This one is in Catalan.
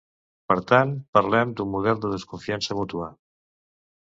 Per tant, parlem d’un model de desconfiança mútua.